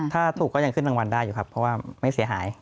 ถ้าถูกก็ยังขึ้นรางวัลได้อยู่ครับเพราะว่าไม่เสียหาย